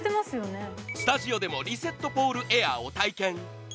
スタジオでもリセットポールエアーを体験。